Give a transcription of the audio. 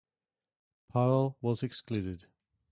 Powell was excluded.